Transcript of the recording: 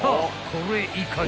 これいかに？］